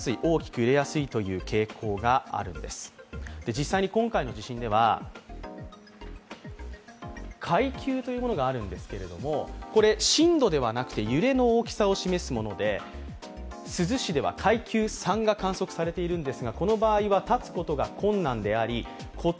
実際に今回の地震では階級というものがあるんですけども、震度ではなく揺れの大きさを示すもので珠洲市では階級３が観測されています。